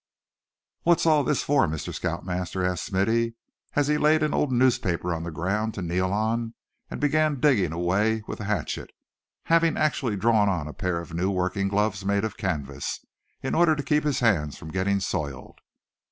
"What's all this for, Mr. Scout Master?" asked Smithy, as he laid an old newspaper on the ground to kneel on, and began digging away with the hatchet; having actually drawn on a pair of new working gloves made of canvas, in order to keep his hands from getting soiled.